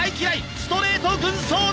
ストレート軍曹だ！